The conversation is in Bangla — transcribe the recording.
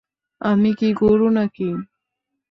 আমি কি গরু নাকি!